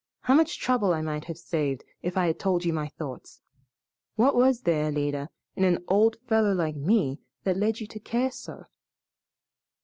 How much trouble I might have saved if I had told you my thoughts! What was there, Alida, in an old fellow like me that led you to care so?"